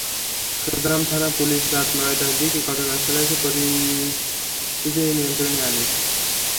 সুধারাম থানা পুলিশ রাত নয়টার দিকে ঘটনাস্থলে এসে পরিস্থিতি নিয়ন্ত্রণে আনে।